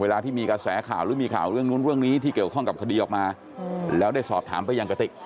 เวลาที่มีกระแสข่าวหรือมีข่าวเรื่องนู้นเรื่องนี้ที่เกี่ยวข้องกับคดีออกมาแล้วได้สอบถามไปยังกระติก